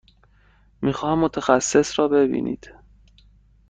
می خواهم متخصص را ببینید.